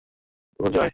মহারাজ গুরুর জয়।